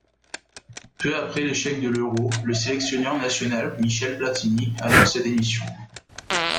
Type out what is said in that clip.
Peu après l'échec de l'Euro, le sélectionneur national Michel Platini annonce sa démission.